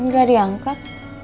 ini udah diangkat